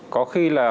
có khi là